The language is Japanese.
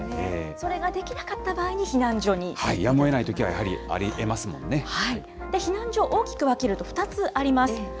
それができなかった場合に避難所やむをえないときはやはりあ避難所、大きく分けると２つあります。